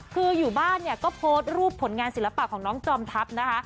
คืออยู่บ้านเนี่ยก็โพสต์รูปผลงานศิลปะของน้องจอมทัพนะคะ